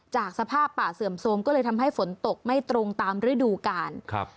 จากสภาพป่าเสื่อมโทรมก็เลยทำให้ฝนตกไม่ตรงตามฤดูกาลครับ